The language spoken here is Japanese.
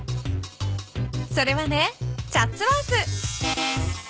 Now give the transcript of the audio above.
それはねチャッツワース。